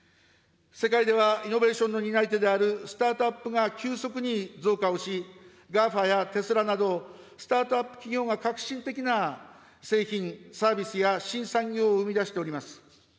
世界ではイノベーションの担い手であるスタートアップが急速に増加をし、ＧＡＦＡやテスラなど、スタートアップ企業が革新的な製品・サービスや新産業を生み出しております。